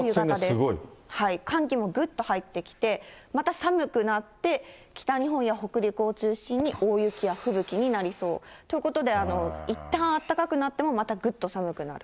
寒気もぐっと入ってきて、また寒くなって、北日本や北陸を中心に大雪や吹雪になりそう。ということで、いったん暖かくなっても、またぐっと寒くなる。